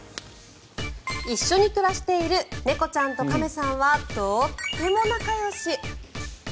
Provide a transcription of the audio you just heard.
一緒に暮らしている猫ちゃんと亀さんはとっても仲よし。